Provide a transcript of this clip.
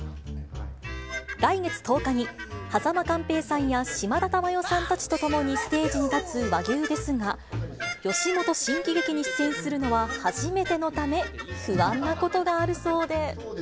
来月１０日に、間寛平さんや島田珠代さんたちと共にステージに立つ和牛ですが、吉本新喜劇に出演するのは初めてのため、不安なことがあるそうで。